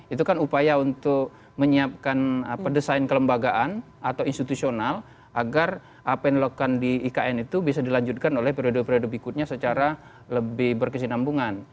itu kan upaya untuk menyiapkan desain kelembagaan atau institusional agar apa yang dilakukan di ikn itu bisa dilanjutkan oleh periode periode berikutnya secara lebih berkesinambungan